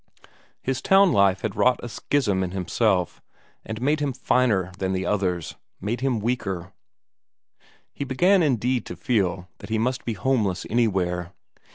His town life had wrought a schism in himself, and made him finer than the others, made him weaker; he began indeed to feel that he must be homeless anywhere.